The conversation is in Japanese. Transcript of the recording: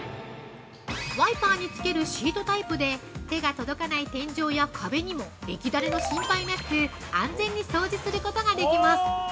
ワイパーにつけるシートタイプで、手が届かない天井や壁にも液だれの心配なく、安全に掃除をすることができます。